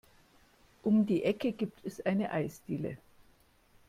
Um die Ecke gibt es eine Eisdiele.